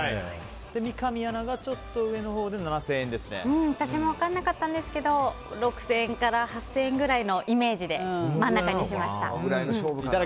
三上アナがちょっと上のほうで私も分からなかったんですけど６０００円から８０００円くらいのイメージで真ん中にしました。